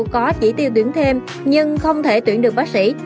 có chỉ tiêu tuyển thêm nhưng không thể tuyển được bác sĩ